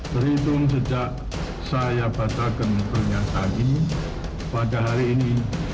berhitung sejak saya batalkan pernyataan ini pada hari ini dua puluh satu mei seribu sembilan ratus sembilan puluh delapan